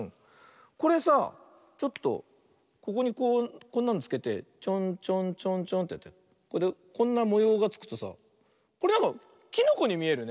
これさちょっとここにこんなのつけてチョンチョンチョンチョンってやってこんなもようがつくとさこれなんかキノコにみえるね。